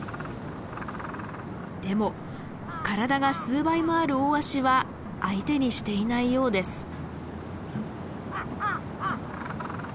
でも体が数倍もあるオオワシは相手にしていないようです。